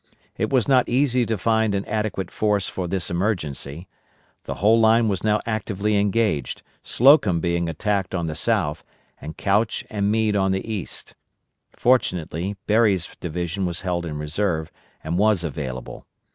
It was not easy to find an adequate force for this emergency. The whole line was now actively engaged, Slocum being attacked on the south, and Couch and Meade on the east. Fortunately, Berry's division was held in reserve, and was available.